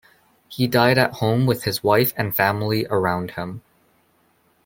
He died at home with his wife and family around him.